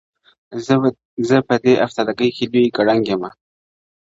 زه په دې افتادګۍ کي لوی ګَړنګ یم